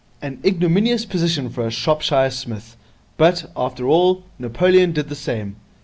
An ignominious position for a Shropshire Psmith, but, after all, Napoleon did the same.'